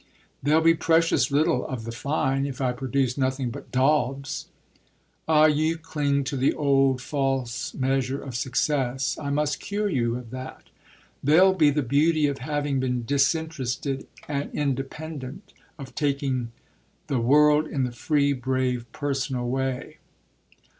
'" "There'll be precious little of the 'fine' if I produce nothing but daubs." "Ah you cling to the old false measure of success! I must cure you of that. There'll be the beauty of having been disinterested and independent; of having taken the world in the free, brave, personal way."